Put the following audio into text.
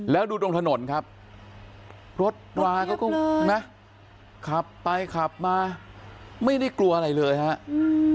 แล้วดูตรงถนนครับรถราเขาก็นะขับไปขับมาไม่ได้กลัวอะไรเลยครับ